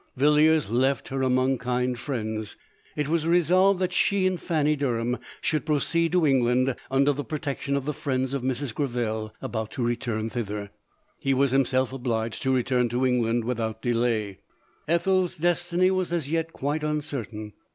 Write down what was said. Villiers left her among kind friends. It was resolved that she and Fanny Derham should proceed to England, under the protection of the friends of Mrs. Greville about to return thither ; he was himself obliged to return to England without delay. Ethel's destiny was as yet quite uncertain.